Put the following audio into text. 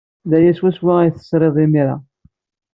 D aya swaswa ay tesrid imir-a.